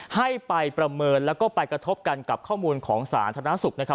ให้ไปประเมินแล้วก็ไปกระทบกันกับข้อมูลของสาธารณสุข